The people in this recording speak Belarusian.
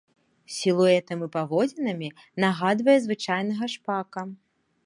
Сілуэтам і паводзінамі нагадвае звычайнага шпака.